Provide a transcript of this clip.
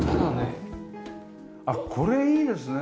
あっこれいいですね